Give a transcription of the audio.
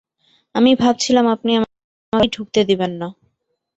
আমি ভাবছিলাম, আপনি আমাকে ঘরেই ঢুকতে দেবেন না।